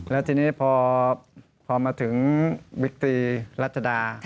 แล้วทีนี้พอมาถึงบิ๊กตรีรัชดา